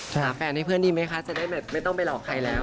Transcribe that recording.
หาแฟนให้เพื่อนดีไหมคะจะได้แบบไม่ต้องไปหลอกใครแล้ว